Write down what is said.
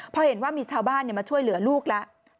พอเห็นว่ามีชาวบ้านมาช่วยเหลือลูกแล้ว